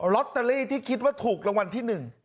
ลอตเตอรี่ที่คิดว่าถูกรางวัลที่๑